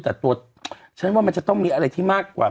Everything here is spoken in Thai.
แต่รสมัยต่อฉันว่ามันมีอะไรที่มากกว่า